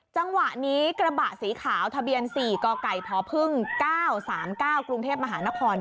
จังหวะนี้กระบะสีขาวทะเบียน๔กไก่พพ๙๓๙กรุงเทพมหานคร